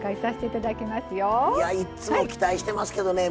いつも期待してますけどね